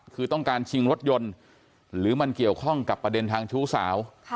คือต้องการชิงรถยนต์หรือมันเกี่ยวข้องกับประเด็นทางชู้สาว